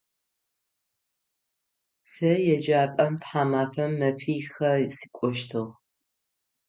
Сэ еджапӏэм тхьамафэм мэфихэ сыкӏощтыгъэ.